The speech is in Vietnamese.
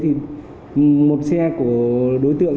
thì một xe của đối tượng